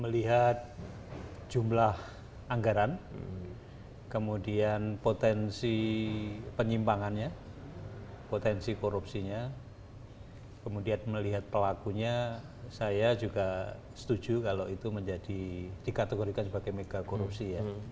melihat jumlah anggaran kemudian potensi penyimpangannya potensi korupsinya kemudian melihat pelakunya saya juga setuju kalau itu menjadi dikategorikan sebagai mega korupsi ya